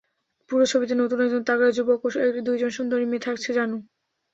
পুরো ছবিতে নতুন একজন তাগড়া যুবক ও দুইজন সুন্দরী মেয়ে থাকছে, জানু।